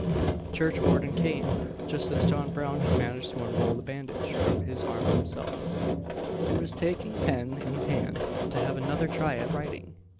The churchwarden came, just as John Brown had managed to unroll the bandage from his arm himself, and was taking pen in hand to have another try at writing.